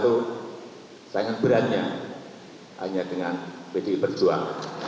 untuk berkongsi tentang hal tersebut